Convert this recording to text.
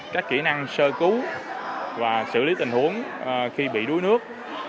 các kỹ năng sơ cứu và xử lý tình huống khi bị đuối nước